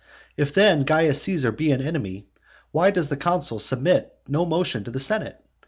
If then Caius Caesar be an enemy, why does the consul submit no motion to the senate?